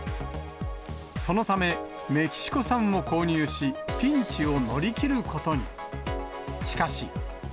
そのため、メキシコ産を購入し、ピンチを乗り切ることに。